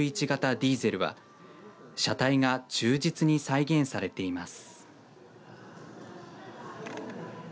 ディーゼルは車体が忠実に再現されています。